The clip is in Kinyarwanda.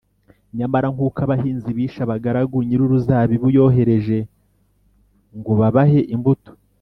nyamara nk’uko abahinzi bishe abagaragu nyir’uruzabibu yohereje ngo babahe imbuto